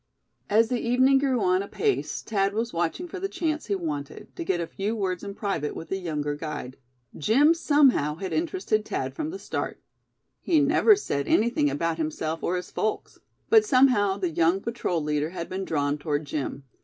As the evening grew on apace Thad was watching for the chance he wanted, to get a few words in private with the younger guide. Jim somehow had interested Thad from the start. He never said anything about himself or his folks; but somehow the young patrol leader had been drawn toward Jim.